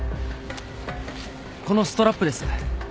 このストラップです。